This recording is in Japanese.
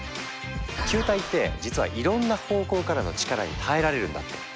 球体って実はいろんな方向からの力に耐えられるんだって。